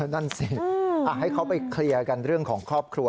นั่นสิให้เขาไปเคลียร์กันเรื่องของครอบครัว